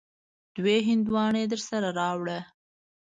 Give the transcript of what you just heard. دوې هندواڼی درسره راوړه.